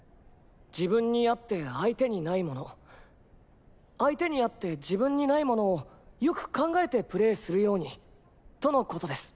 「自分にあって相手にないもの相手にあって自分にないものをよく考えてプレーするように」とのことです。